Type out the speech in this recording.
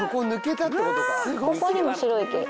ここにも白い毛が。